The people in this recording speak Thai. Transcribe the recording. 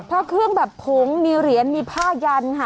เพราะเครื่องแบบผงมีเหรียญมีผ้ายันค่ะ